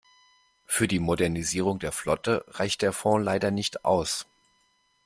Für die Modernisierung der Flotte reicht der Fond leider nicht aus.